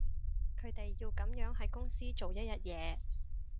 佢哋要噉樣喺公司做一日嘢